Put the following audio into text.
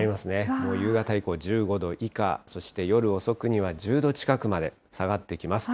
もう夕方以降１５度以下、そして夜遅くには１０度近くまで下がってきます。